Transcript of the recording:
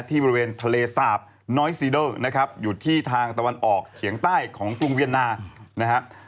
บริเวณทะเลสาบน้อยซีเดอร์นะครับอยู่ที่ทางตะวันออกเฉียงใต้ของกรุงเวียนนานะครับ